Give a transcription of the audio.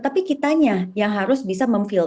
tetapi kitanya yang harus bisa memfilter